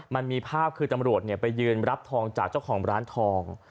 มันมีภาพคือตำรวจไปยืนรับทองจากเจ้าของร้านทอง